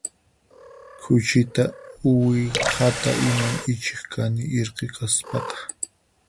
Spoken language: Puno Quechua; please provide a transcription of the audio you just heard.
Khuchita uwihata iman ichiq kani irqi kaspaqa